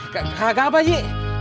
kagak apa ji